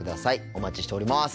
お待ちしております。